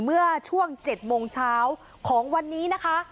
เมื่อช่วง๗โมงเช้าของวันนี้นะคะ